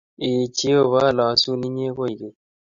Ee Jehova alosun inye koigeny